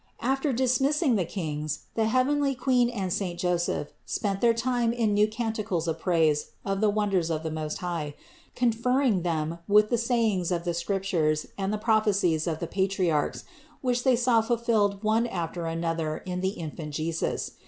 After dismissing the Kings, the heavenly Queen and saint Joseph spent their time in new canticles of praise of the wonders of the Most High, conferring them with the sayings of the Scriptures and the prophecies of the Pa triarchs, which they saw fulfilled one after another in the Infant Jesus.